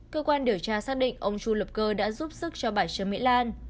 cơ quan điều tra xác định ông chu lập cơ đã giúp sức cho bài trường mỹ lan